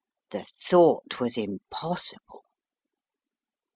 The thought was impossible.